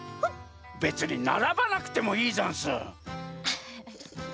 べつにならばなくてもいいざんす！